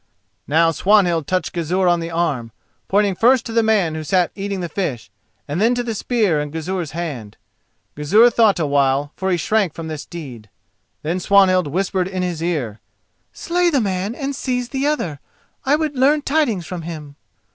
Now Swanhild touched Gizur on the arm, pointing first to the man who sat eating the fish and then to the spear in Gizur's hand. Gizur thought a while, for he shrank from this deed. Then Swanhild whispered in his ear, "Slay the man and seize the other; I would learn tidings from him."